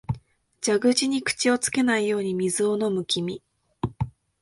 蛇口に口をつけないように水を飲む君、